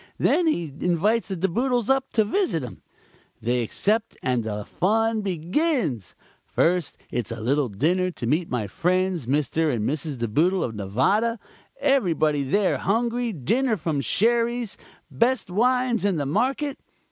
Then he invites the De Boodles up to visit him. They accept, and the fun begins. First it's a little dinner to meet my friends Mr. and Mrs. De Boodle, of Nevada. Everybody there, hungry, dinner from Sherrys, best wines in the market.